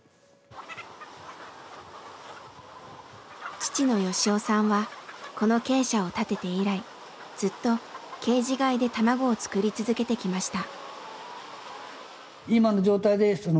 父の吉雄さんはこの鶏舎を建てて以来ずっとケージ飼いで卵を作り続けてきました。